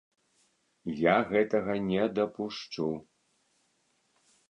Я гэтага не дапушчу.